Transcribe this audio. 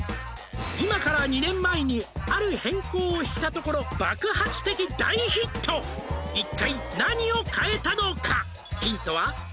「今から２年前にある変更をしたところ」「爆発的大ヒット」「一体何を変えたのか」